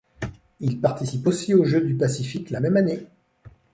Il participe aussi aux Jeux du Pacifique la même année.